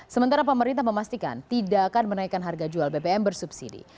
sementara pemerintah memastikan tidak akan menaikkan harga jual bbm bersubsidi